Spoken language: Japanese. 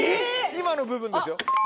今の部分ですよ。